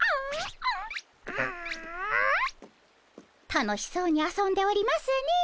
楽しそうに遊んでおりますねえ。